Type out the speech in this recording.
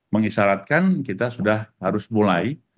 mengisyaratkan kita sudah harus mulai